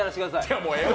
もうええわ。